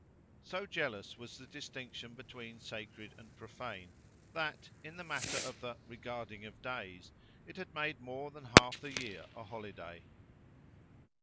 So jealous was the distinction between sacred and profane, that, in the matter of the "regarding of days," it had made more than half the year a holiday.